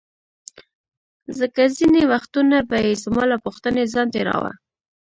ځکه ځیني وختونه به یې زما له پوښتنې ځان تیراوه.